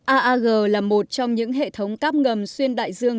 aag là một trong những hệ thống cắp ngầm xuyên đại dương